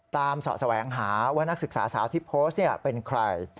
ตามสอสแหวงหาว่านักศึกษาสาวที่โพสต์นี่เป็นใคร